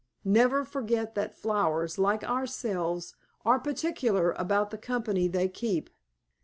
Never forget that flowers, like ourselves, are particular about the company they keep.